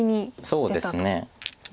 そうですね。